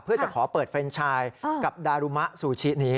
เพื่อจะขอเปิดเฟรนชายกับดารุมะซูชินี้